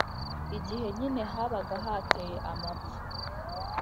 igihe nyine habaga hateye amapfa.